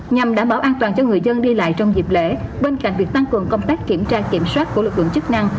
nhằm đảm bảo an toàn cho người dân đi lại trong dịp lễ bên cạnh việc tăng cường công tác kiểm tra kiểm soát của lực lượng chức năng